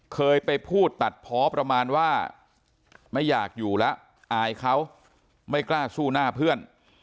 เคยไปพูดตัดเพาะประมาณว่าไม่อยากอยู่แล้วอายเขาไม่กล้าสู้หน้าเพื่อน